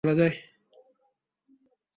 পেঙ্গুইনকে কি ডানাওয়ালা ইঁদুর বলা যায়?